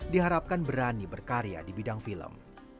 diharapkan berani berkarya di bidang film